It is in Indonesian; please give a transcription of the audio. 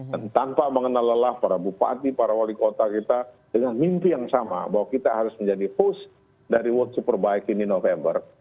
dan tanpa mengenal lelah para bupati para wali kota kita dengan mimpi yang sama bahwa kita harus menjadi host dari world superbike ini november